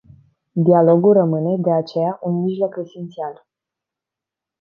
Dialogul rămâne, de aceea, un mijloc esențial.